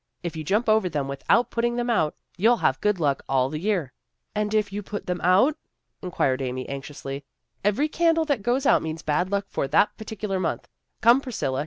If you jump over them without putting them out, you'll have good luck all the year." " And if you put them out? " inquired Amy anxiously. " Every candle that goes out means bad luck for that particular month. Come, Priscilla.